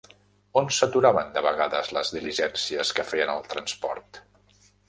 On s'aturaven de vegades les diligències que feien el transport?